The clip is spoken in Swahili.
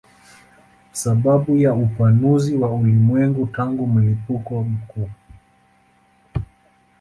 Sababu ni upanuzi wa ulimwengu tangu mlipuko mkuu.